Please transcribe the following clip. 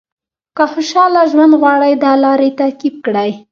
که خوشاله ژوند غواړئ دا لارې تعقیب کړئ.